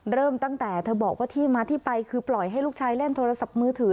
เริ่มตั้งแต่เธอบอกว่าที่มาที่ไปคือปล่อยให้ลูกชายเล่นโทรศัพท์มือถือ